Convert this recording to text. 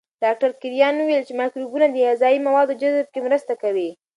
ډاکټر کرایان وویل چې مایکروبونه د غذایي موادو جذب کې مرسته کوي.